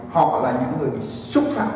họ là những người bị súc sạc